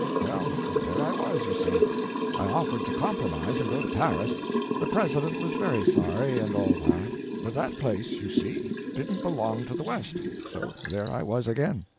Well, there I was, you see. I offered to compromise and go to Paris. The President was very sorry and all that, but that place, you see, didn't belong to the West, so there I was again.